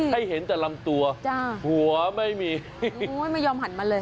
ให้เห็นแต่ลำตัวจ้ะหัวไม่มีโอ้ยไม่ยอมหันมาเลย